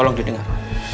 tolong di dengar